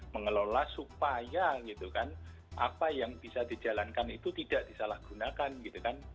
mengelola supaya gitu kan apa yang bisa dijalankan itu tidak disalahgunakan gitu kan